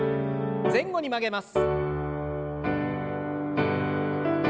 前後に曲げます。